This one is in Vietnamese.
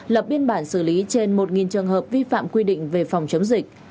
lập biên bản xử lý trên một trường hợp vi phạm quy định về phòng chống dịch